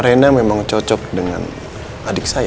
dan hasilnya dna reina memang cocok dengan adik adik saya